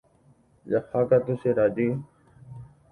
Jahákatu che rajy.